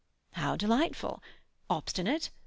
"How delightful! Obstinate?